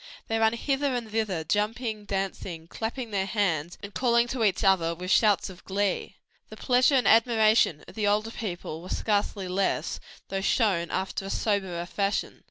They ran hither and thither jumping, dancing, clapping their hands and calling to each other with shouts of glee. The pleasure and admiration of the older people were scarcely less, though shown after a soberer fashion.